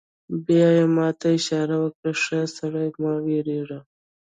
بیا یې ما ته اشاره وکړه: ښه سړی، مه وېرېږه.